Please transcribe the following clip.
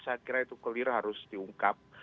saya kira itu clear harus diungkap